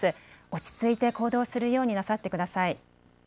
落ち着いて行動するようになさってください。